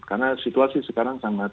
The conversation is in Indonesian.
karena situasi sekarang sangat berat